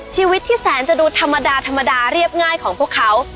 ชีวิตที่แสนจะดูธรรมดาธรรมดาเรียบง่ายของพวกเขา